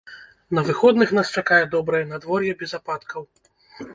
На выходных нас чакае добрае надвор'е без ападкаў.